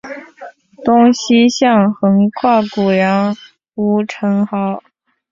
东西向横跨古杨吴城壕。